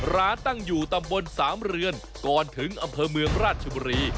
ตั้งอยู่ตำบลสามเรือนก่อนถึงอำเภอเมืองราชบุรี